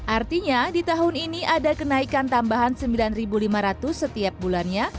artinya di tahun ini ada kenaikan tambahan rp sembilan lima ratus setiap bulannya